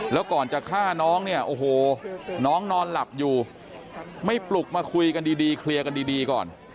แล้วก่อนจะฆ่าน้องเนี่ยโอ้โหน้องนอนหลับอยู่ไม่ปลุกมาคุยกันดีเคลียร์กันดีก่อน